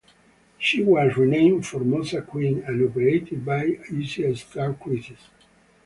She was renamed "Formosa Queen" and operated by Asia Star Cruises.